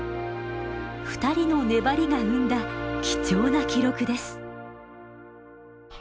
２人の粘りが生んだ貴重な記録です。